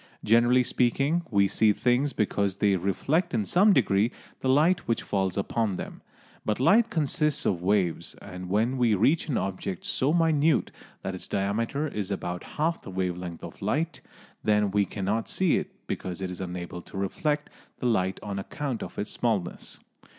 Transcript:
Generally speaking, we see things because they reflect in some degree the light which falls upon them. But light consists of waves, and when we reach an object so minute that its diameter is about half the wave length of light, then we cannot see it because it is unable to reflect the light on account of its smallness.